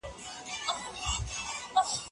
تاسو د خپلې روغتیا په ساتلو بوخت یاست.